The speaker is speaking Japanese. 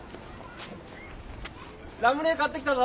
ラムネ買ってきたぞ。